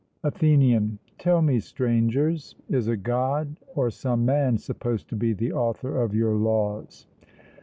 ATHENIAN: Tell me, Strangers, is a God or some man supposed to be the author of your laws?